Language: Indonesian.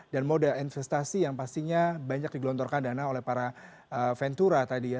dan mode investasi yang pastinya banyak digelontorkan dana oleh para ventura tadi ya